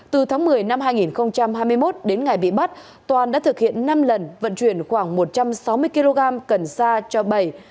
từ tháng một mươi năm hai nghìn hai mươi một đến ngày bị bắt toàn đã thực hiện năm lần vận chuyển khoảng một trăm sáu mươi kg cần sa cho bảy